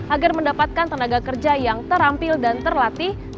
agar mendapatkan tenaga kerja yang terampil dan terlatih